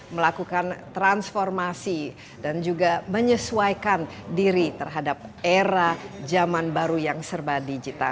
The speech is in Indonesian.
melakukan transformasi dan juga menyesuaikan diri terhadap era zaman baru yang serba digital